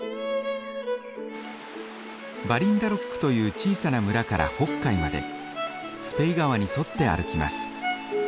バリンダロックという小さな村から北海までスペイ川に沿って歩きます。